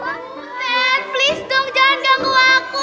butet please dong jangan ganggu aku